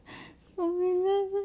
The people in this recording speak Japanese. ごめんなさい。